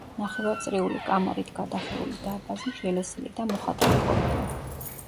ნახევარწრიული კამარით გადახურული დარბაზი შელესილი და მოხატული ყოფილა.